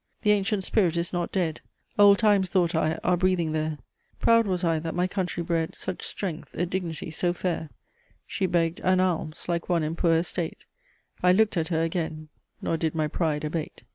"The ancient spirit is not dead; Old times, thought I, are breathing there; Proud was I that my country bred Such strength, a dignity so fair: She begged an alms, like one in poor estate; I looked at her again, nor did my pride abate."